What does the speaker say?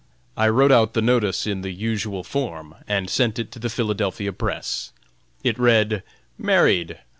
I wrote out the notice in the usual form and sent it to the Philadelphia Press. It read: "MARRIED.